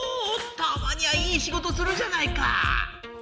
たまにはいいしごとするじゃないか！